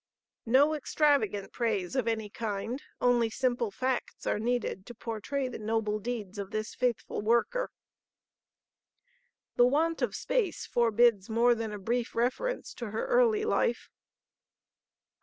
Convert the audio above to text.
No extravagant praise of any kind, only simple facts are needed to portray the noble deeds of this faithful worker. The want of space forbids more than a brief reference to her early life.